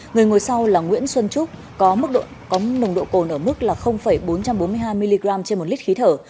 người ngồi sau là nguyễn xuân trúc có nồng độ cồn ở mức bốn trăm bốn mươi hai mg trên một lít khí thở